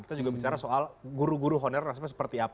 kita juga bicara tentang guru guru honorer